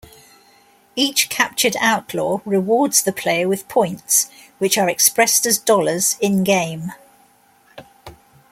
Each captured outlaw rewards the player with points, which are expressed as dollars in-game.